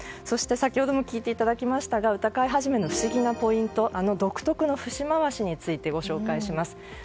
そして、先ほども聞いていただきましたが歌会始の不思議なポイント独特な節回しについてご紹介します。